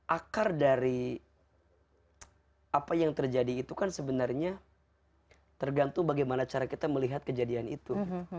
akar dari apa yang terjadi itu kan sebenarnya tergantung bagaimana cara kita melihat kejadian itu